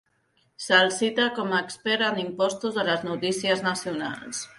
Se'l cita com a expert en impostos a les noticies nacionals.